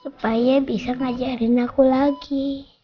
supaya bisa ngajarin aku lagi